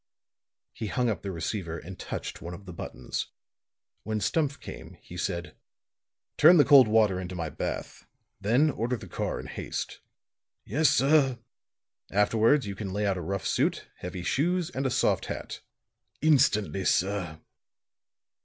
He hung up the receiver and touched one of the buttons. When Stumph came, he said: "Turn the cold water into my bath. Then order the car in haste." "Yes, sir." "Afterwards you can lay out a rough suit, heavy shoes and a soft hat." "Instantly, sir."